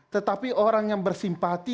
tetapi orang yang bersimpati